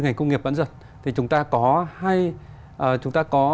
ngành công nghiệp bán dẫn thì chúng ta có